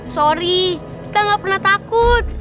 sorry kita gapernah takut